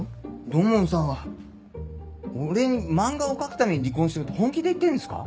土門さんは俺に漫画を描くために離婚しろって本気で言ってるんですか？